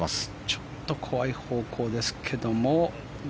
ちょっと怖い方向ですけども。